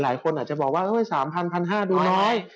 หลายคนอาจจะบอกว่า๓๐๐๑๕๐๐บาทดูน้อย